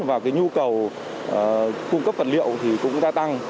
và cái nhu cầu cung cấp vật liệu thì cũng gia tăng